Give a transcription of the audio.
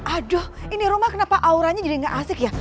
aduh ini rumah kenapa auranya jadi gak asik ya